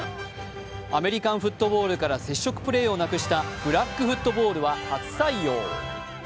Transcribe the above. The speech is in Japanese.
アメリカンフットボールから接触プレーをなくしたフラッグフットボールは初採用。